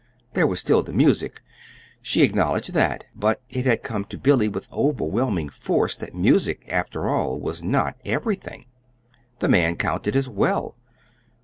There was still the music she acknowledged that; but it had come to Billy with overwhelming force that music, after all, was not everything. The man counted, as well.